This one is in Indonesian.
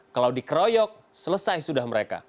kalau dikeroyok selesai sudah mereka